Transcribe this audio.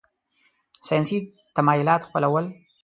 ساینسي تمایلات خپلول.